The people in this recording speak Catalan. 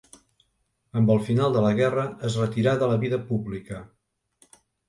Amb el final de la guerra es retirà de la vida pública.